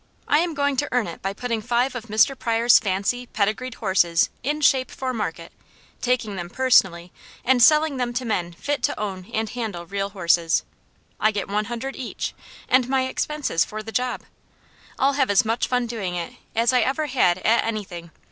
I am going to earn it by putting five of Mr. Pryor's fancy, pedigreed horses in shape for market, taking them personally, and selling them to men fit to own and handle real horses. I get one hundred each, and my expenses for the job. I'll have as much fun doing it as I ever had at anything.